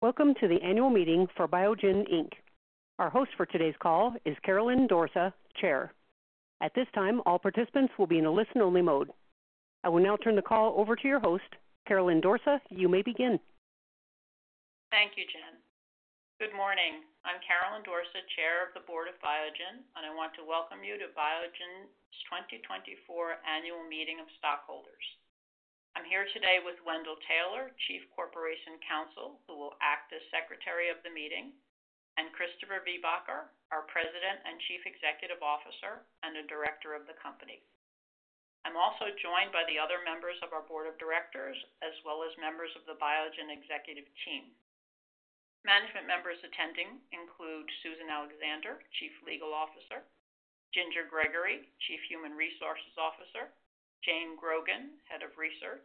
Welcome to the annual meeting for Biogen Inc. Our host for today's call is Caroline Dorsa, Chair. At this time, all participants will be in a listen-only mode. I will now turn the call over to your host, Caroline Dorsa. You may begin. Thank you, Jen. Good morning. I'm Caroline Dorsa, Chair of the Board of Biogen, and I want to welcome you to Biogen's 2024 annual meeting of stockholders. I'm here today with Wendell Taylor, Chief Corporate Counsel, who will act as Secretary of the Meeting, and Christopher Viehbacher, our President and Chief Executive Officer and a Director of the Company. I'm also joined by the other members of our Board of Directors, as well as members of the Biogen executive team. Management members attending include Susan Alexander, Chief Legal Officer; Ginger Gregory, Chief Human Resources Officer; Jane Grogan, Head of Research;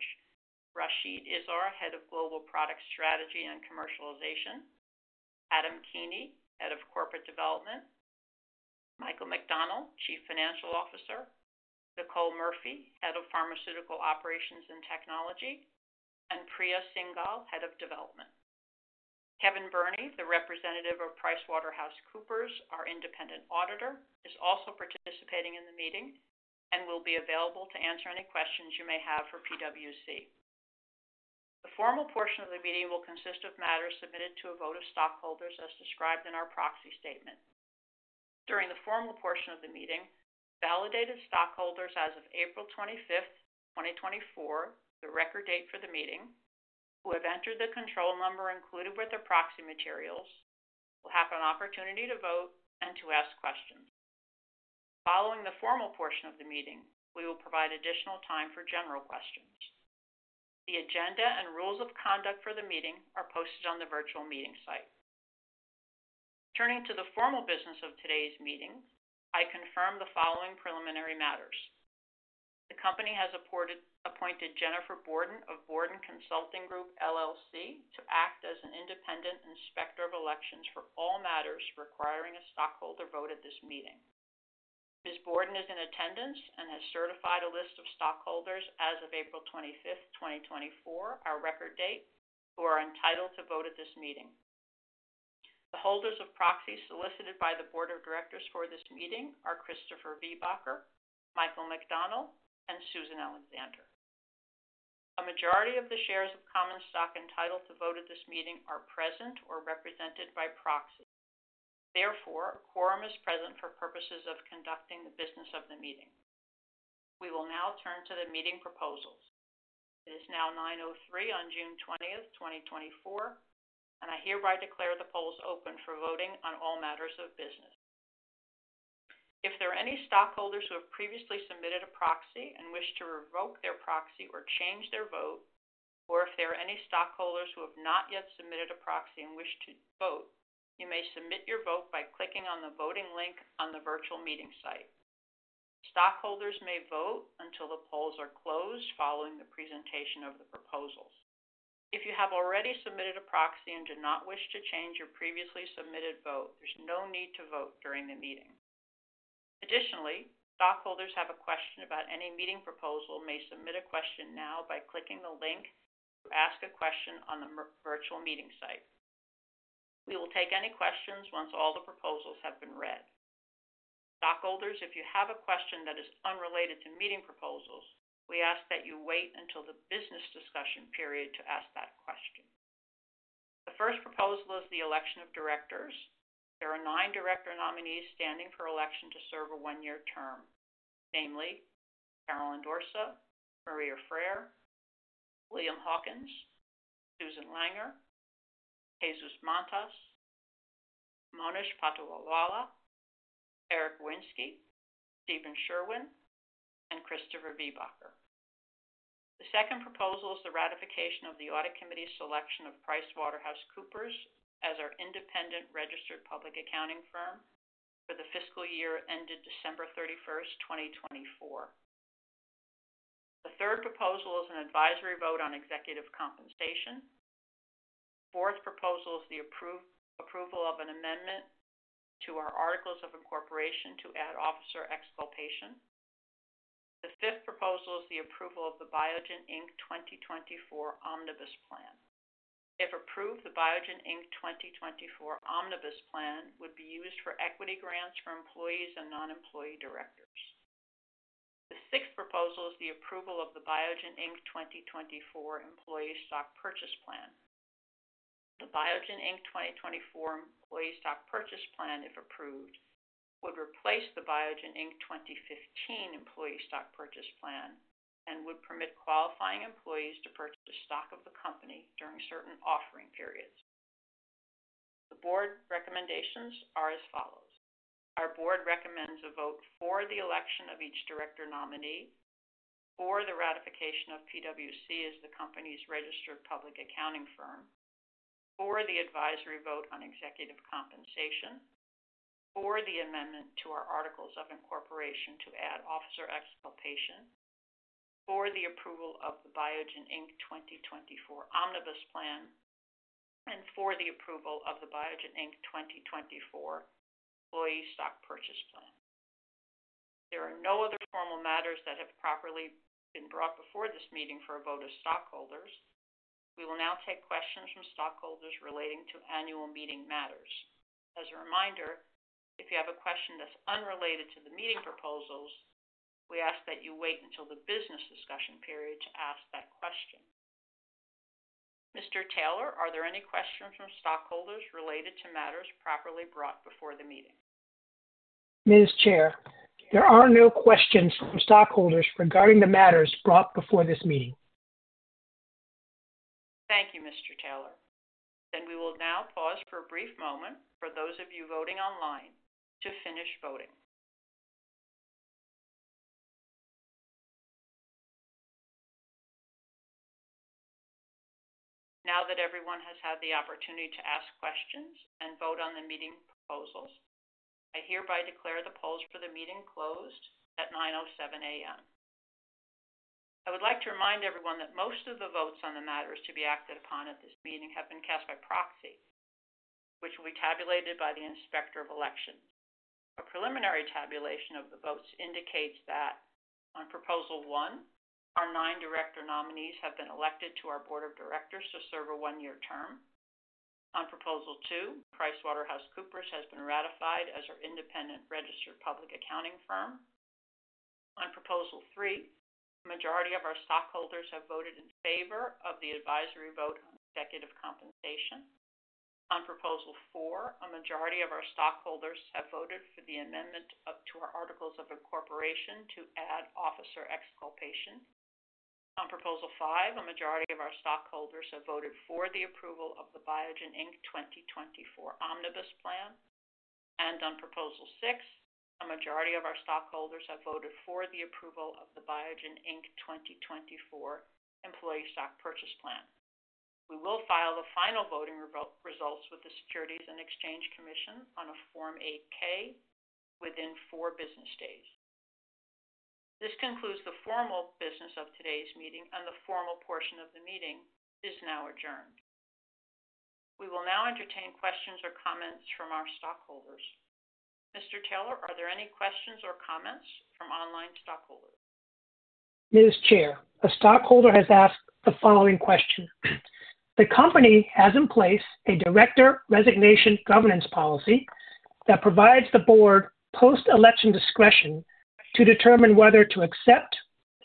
Rachid Izzar, Head of Global Product Strategy and Commercialization; Adam Keeney, Head of Corporate Development; Michael McDonnell, Chief Financial Officer; Nicole Murphy, Head of Pharmaceutical Operations and Technology; and Priya Singhal, Head of Development. Kevin Burney, the representative of PricewaterhouseCoopers, our independent auditor, is also participating in the meeting and will be available to answer any questions you may have for PwC. The formal portion of the meeting will consist of matters submitted to a vote of stockholders as described in our proxy statement. During the formal portion of the meeting, validated stockholders as of April 25, 2024, the record date for the meeting, who have entered the control number included with their proxy materials, will have an opportunity to vote and to ask questions. Following the formal portion of the meeting, we will provide additional time for general questions. The agenda and rules of conduct for the meeting are posted on the virtual meeting site. Turning to the formal business of today's meeting, I confirm the following preliminary matters. The Company has appointed Jennifer Borden of Borden Consulting Group, LLC, to act as an independent inspector of elections for all matters requiring a stockholder vote at this meeting. Ms. Borden is in attendance and has certified a list of stockholders as of April 25, 2024, our record date, who are entitled to vote at this meeting. The holders of proxies solicited by the Board of Directors for this meeting are Christopher Viehbacher, Michael McDonnell, and Susan Alexander. A majority of the shares of common stock entitled to vote at this meeting are present or represented by proxies. Therefore, a quorum is present for purposes of conducting the business of the meeting. We will now turn to the meeting proposals. It is now 9:03 A.M. on June 20, 2024, and I hereby declare the polls open for voting on all matters of business. If there are any stockholders who have previously submitted a proxy and wish to revoke their proxy or change their vote, or if there are any stockholders who have not yet submitted a proxy and wish to vote, you may submit your vote by clicking on the voting link on the virtual meeting site. Stockholders may vote until the polls are closed following the presentation of the proposals. If you have already submitted a proxy and do not wish to change your previously submitted vote, there's no need to vote during the meeting. Additionally, stockholders have a question about any meeting proposal and may submit a question now by clicking the link to ask a question on the virtual meeting site. We will take any questions once all the proposals have been read. Stockholders, if you have a question that is unrelated to meeting proposals, we ask that you wait until the business discussion period to ask that question. The first proposal is the election of directors. There are nine director nominees standing for election to serve a one-year term, namely Caroline Dorsa, Maria Freire, William Hawkins, Susan Langer, Jesus Mantas, Monish Patolawala, Eric Rowinsky, Stephen Sherwin, and Christopher Viehbacher. The second proposal is the ratification of the Audit Committee's selection of PricewaterhouseCoopers as our independent registered public accounting firm for the fiscal year ended December 31, 2024. The third proposal is an advisory vote on executive compensation. The fourth proposal is the approval of an amendment to our Articles of Incorporation to add officer exculpation. The fifth proposal is the approval of the Biogen Inc. 2024 Omnibus Plan. If approved, the Biogen Inc. 2024 Omnibus Plan would be used for equity grants for employees and non-employee directors. The sixth proposal is the approval of the Biogen Inc. 2024 Employee Stock Purchase Plan. The Biogen Inc. 2024 Employee Stock Purchase Plan, if approved, would replace the Biogen Inc. 2015 Employee Stock Purchase Plan and would permit qualifying employees to purchase stock of the Company during certain offering periods. The Board recommendations are as follows. Our Board recommends a vote for the election of each director nominee, for the ratification of PwC as the Company's registered public accounting firm, for the advisory vote on executive compensation, for the amendment to our Articles of Incorporation to add officer exculpation, for the approval of the Biogen Inc. 2024 Omnibus Plan, and for the approval of the Biogen Inc. 2024 Employee Stock Purchase Plan. There are no other formal matters that have properly been brought before this meeting for a vote of stockholders. We will now take questions from stockholders relating to annual meeting matters. As a reminder, if you have a question that's unrelated to the meeting proposals, we ask that you wait until the business discussion period to ask that question. Mr. Taylor, are there any questions from stockholders related to matters properly brought before the meeting? Ms. Chair, there are no questions from stockholders regarding the matters brought before this meeting. Thank you, Mr. Taylor. We will now pause for a brief moment for those of you voting online to finish voting. Now that everyone has had the opportunity to ask questions and vote on the meeting proposals, I hereby declare the polls for the meeting closed at 9:07 A.M. I would like to remind everyone that most of the votes on the matters to be acted upon at this meeting have been cast by proxy, which will be tabulated by the Inspector of Elections. A preliminary tabulation of the votes indicates that on proposal one, our nine director nominees have been elected to our Board of Directors to serve a one-year term. On proposal two, PricewaterhouseCoopers has been ratified as our independent registered public accounting firm. On proposal three, a majority of our stockholders have voted in favor of the advisory vote on executive compensation. On proposal four, a majority of our stockholders have voted for the amendment to our Articles of Incorporation to add officer exculpation. On proposal five, a majority of our stockholders have voted for the approval of the Biogen Inc. 2024 Omnibus Plan. On proposal six, a majority of our stockholders have voted for the approval of the Biogen Inc. 2024 Employee Stock Purchase Plan. We will file the final voting results with the Securities and Exchange Commission on a Form 8-K within four business days. This concludes the formal business of today's meeting, and the formal portion of the meeting is now adjourned. We will now entertain questions or comments from our stockholders. Mr. Taylor, are there any questions or comments from online stockholders? Ms. Chair, a stockholder has asked the following question. The Company has in place a director resignation governance policy that provides the Board post-election discretion to determine whether to accept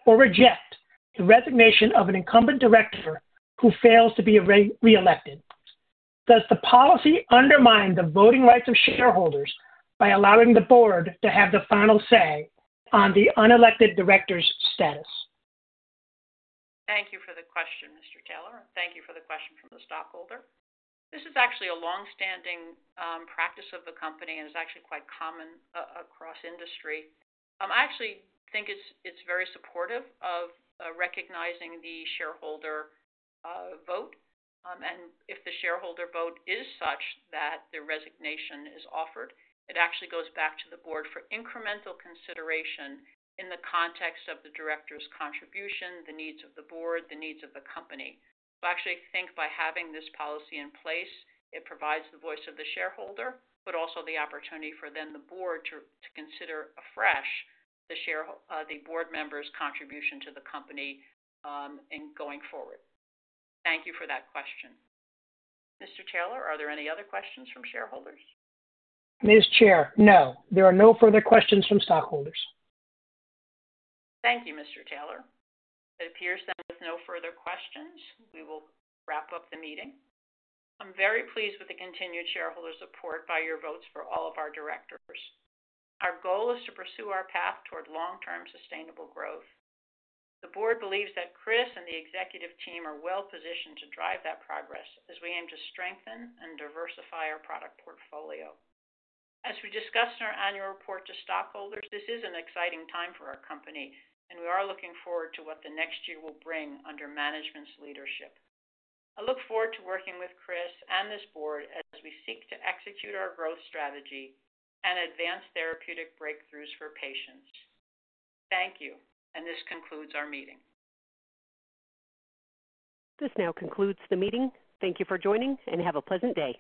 or reject the resignation of an incumbent director who fails to be reelected. Does the policy undermine the voting rights of shareholders by allowing the Board to have the final say on the unelected director's status? Thank you for the question, Mr. Taylor. Thank you for the question from the stockholder. This is actually a longstanding practice of the Company and is actually quite common across industry. I actually think it's very supportive of recognizing the shareholder vote. If the shareholder vote is such that the resignation is offered, it actually goes back to the Board for incremental consideration in the context of the director's contribution, the needs of the Board, the needs of the Company. I actually think by having this policy in place, it provides the voice of the shareholder, but also the opportunity for then the Board to consider afresh the Board members' contribution to the Company in going forward. Thank you for that question. Mr. Taylor, are there any other questions from shareholders? Ms. Chair, no. There are no further questions from stockholders. Thank you, Mr. Taylor. It appears then with no further questions, we will wrap up the meeting. I'm very pleased with the continued shareholder support by your votes for all of our directors. Our goal is to pursue our path toward long-term sustainable growth. The Board believes that Chris and the executive team are well positioned to drive that progress as we aim to strengthen and diversify our product portfolio. As we discussed in our annual report to stockholders, this is an exciting time for our Company, and we are looking forward to what the next year will bring under management's leadership. I look forward to working with Chris and this Board as we seek to execute our growth strategy and advance therapeutic breakthroughs for patients. Thank you, and this concludes our meeting. This now concludes the meeting. Thank you for joining, and have a pleasant day.